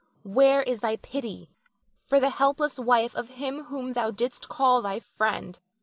Where is thy pity for the helpless wife of him whom thou didst call thy friend?